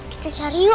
kita cari yuk